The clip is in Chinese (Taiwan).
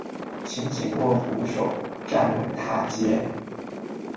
請緊握扶手站穩踏階